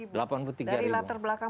delapan puluh tiga dari latar belakang